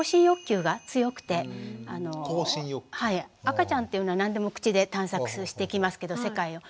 赤ちゃんっていうのは何でも口で探索していきますけど世界を。